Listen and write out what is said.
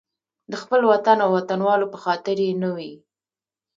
د خپل وطن او وطنوالو په خاطر یې نه وي.